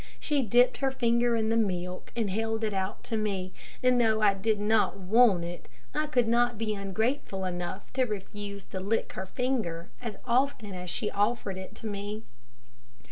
She dipped her finger in the milk and held it out to me, and though I did not want it, I could not be ungrateful enough to refuse to lick her finger as often as she offered it to me.